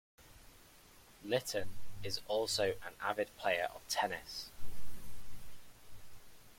Litton is also an avid player of tennis.